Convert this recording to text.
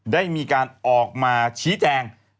ได้มีการออกมาชี้แจง